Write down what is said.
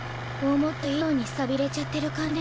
思ってた以上にさびれちゃってる感じね。